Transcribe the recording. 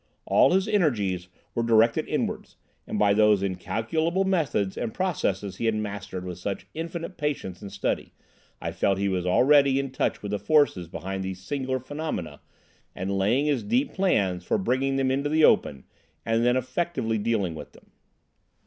All his energies were directed inwards, and by those incalculable methods and processes he had mastered with such infinite patience and study, I felt sure he was already in touch with the forces behind these singular phenomena and laying his deep plans for bringing them into the open, and then effectively dealing with them.